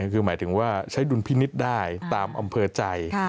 คือหมายถึงว่าใช้ดุลพินิษฐ์ได้ตามอำเภอใจ